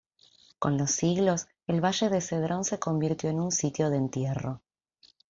Con los siglos el valle de Cedrón se convirtió en un sitio de entierro.